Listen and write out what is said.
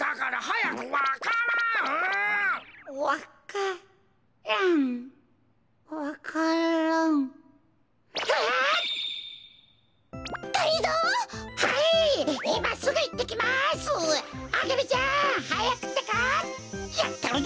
やったるぞ！